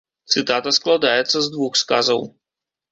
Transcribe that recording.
Цытата складаецца з двух сказаў.